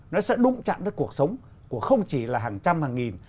nó sẽ đụng chạm tới cuộc sống của không chỉ là hàng trăm hàng nghìn